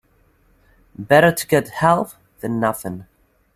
Better to get half than nothing.